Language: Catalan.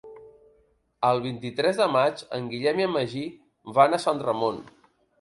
El vint-i-tres de maig en Guillem i en Magí van a Sant Ramon.